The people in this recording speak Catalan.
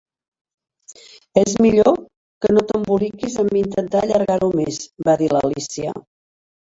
"És millor que no t'emboliquis amb intentar allargar-ho més", va dir l'Alícia.